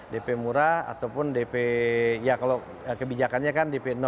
dp murah ataupun dp ya kalau kebijakannya kan dp enam